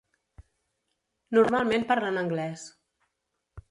Normalment parlen anglès.